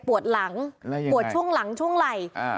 ปวดหลังแล้วยังไงปวดช่วงหลังช่วงไหล่อ่า